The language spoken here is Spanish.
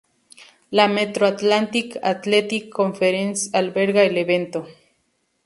La Metro Atlantic Athletic Conference alberga el evento.